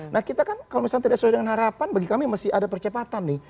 nah kita kan kalau misalnya tidak sesuai dengan harapan bagi kami mesti ada percepatan nih